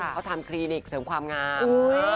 เขาทำคลินิกเสริมความงาม